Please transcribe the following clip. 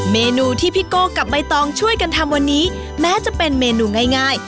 เมนูที่พี่โก้กับใบตองช่วยกันทำวันนี้แม้จะเป็นเมนูง่าย